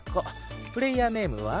プレーヤーネームは？